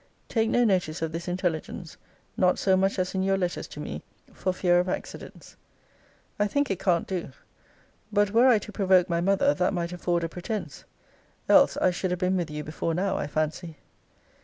Take no notice of this intelligence, not so much as in your letters to me, for fear of accidents. I think it can't do. But were I to provoke my mother, that might afford a pretence. Else, I should have been with you before now, I fancy.